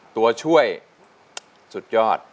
ตัวช่วยสุดยอด